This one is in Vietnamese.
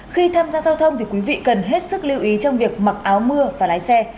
khi tham gia giao thông thì quý vị cần hết sức lưu ý trong việc mặc áo mưa và lái xe